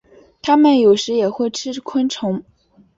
它们有时也会吃昆虫。